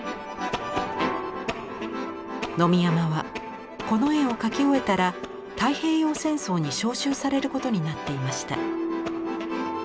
野見山はこの絵を描き終えたら太平洋戦争に召集されることになっていました。